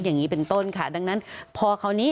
อย่างนี้เป็นต้นค่ะดังนั้นพอคราวนี้